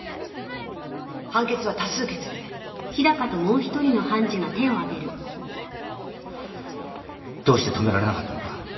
判決は多数決でどうして止められなかったのか。